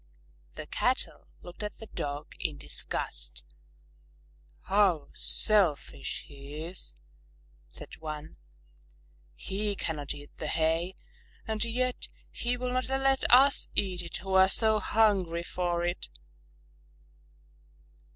The Cattle looked at the Dog in disgust. "How selfish he is!" said one. "He cannot eat the hay and yet he will not let us eat it who are so hungry for it!"